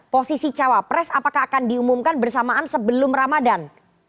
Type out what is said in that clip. posisi cawa press apakah akan diumumkan bersamaan sebelum ramadhan